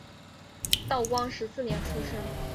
道光十四年出生。